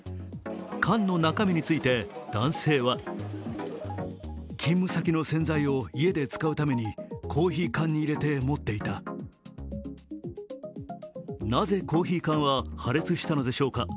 缶の中身について男性はなぜコーヒー缶は破裂したのでしょうか。